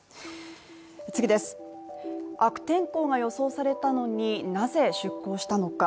悪天候が予想されたのに、なぜ出航したのか。